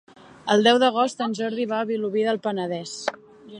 El deu d'agost en Jordi va a Vilobí del Penedès.